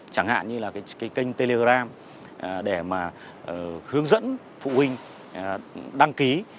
chẳng hạn như là kênh telegram để hướng dẫn phụ huynh đăng ký